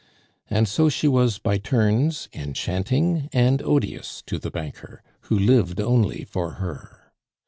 And so she was by turns enchanting and odious to the banker, who lived only for her.